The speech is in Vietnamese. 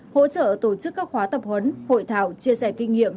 hỗ trợ tổ chức các khóa tập huấn hội thảo chia sẻ kinh nghiệm